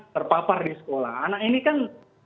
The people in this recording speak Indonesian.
terpapar di sekolah anak ini kan